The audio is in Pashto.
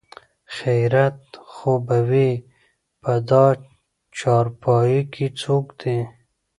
خېرت خو به وي په دا چارپايي کې څوک دي?